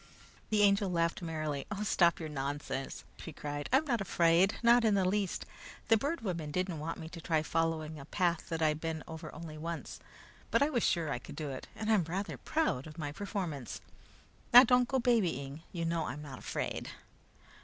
The Angel laughed merrily. "Oh stop your nonsense!" she cried. "I'm not afraid! Not in the least! The Bird Woman didn't want me to try following a path that I'd been over only once, but I was sure I could do it, and I'm rather proud of the performance. Now, don't go babying! You know I'm not afraid!"